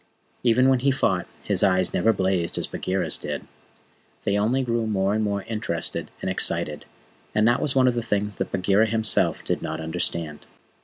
Even when he fought, his eyes never blazed as Bagheera's did. They only grew more and more interested and excited; and that was one of the things that Bagheera himself did not understand.